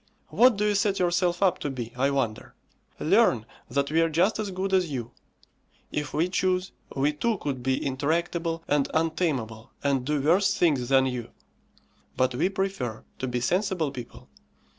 What do you set yourself up to be, I wonder? Learn that we are just as good as you. If we chose we too could be intractable and untameable and do worse things than you; but we prefer to be sensible people.